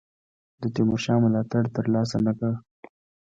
د تیمورشاه ملاتړ تر لاسه نه کړ.